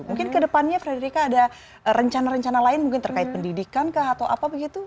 mungkin ke depannya frederica ada rencana rencana lain mungkin terkait pendidikan kah atau apa begitu